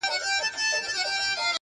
هغه شین سترګی مرشد -